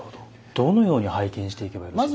どのように拝見していけばよろしいですか。